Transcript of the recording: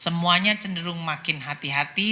semuanya cenderung makin hati hati